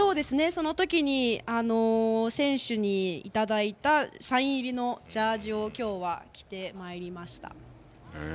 その時、選手にいただいたサイン入りのジャージを今日は着てまいりました。